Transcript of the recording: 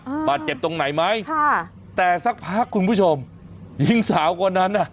อ่ามาเจ็บตรงไหนไหมค่ะแต่สักพักคุณผู้ชมยิ่งสาวกว่านั้นน่ะ